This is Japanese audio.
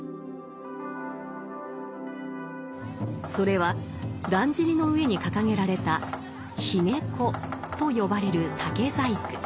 それはだんじりの上に掲げられた「髯籠」と呼ばれる竹細工。